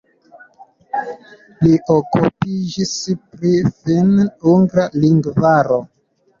Li okupiĝis pri finn-ugra lingvaro.